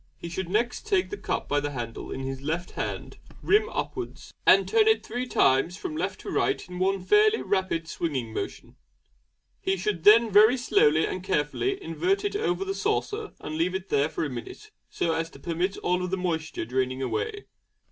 He should next take the cup by the handle in his left hand, rim upwards, and turn it three times from left to right in one fairly rapid swinging movement. He should then very slowly and carefully invert it over the saucer and leave it there for a minute, so as to permit of all moisture draining away.